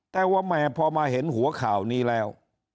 เพราะแม่พอมาเห็นหัวข่าวนี้แล้ว